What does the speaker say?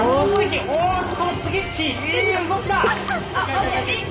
おっとスギッチいい動きだ！